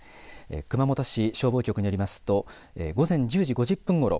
熊本市消防局によりますと午前１０時５０分ごろ